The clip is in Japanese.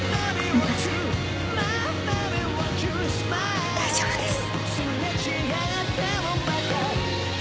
もう大丈夫です。